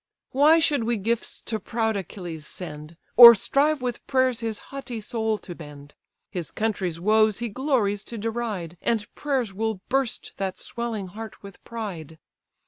"Why should we gifts to proud Achilles send, Or strive with prayers his haughty soul to bend? His country's woes he glories to deride, And prayers will burst that swelling heart with pride.